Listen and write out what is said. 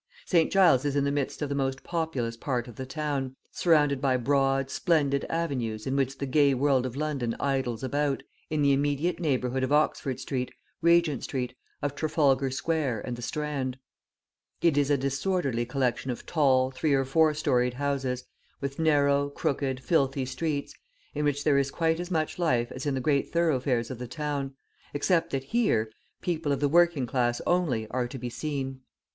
St. Giles is in the midst of the most populous part of the town, surrounded by broad, splendid avenues in which the gay world of London idles about, in the immediate neighbourhood of Oxford Street, Regent Street, of Trafalgar Square and the Strand. It is a disorderly collection of tall, three or four storied houses, with narrow, crooked, filthy streets, in which there is quite as much life as in the great thoroughfares of the town, except that, here, people of the working class only are to be seen.